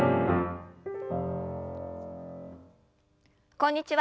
こんにちは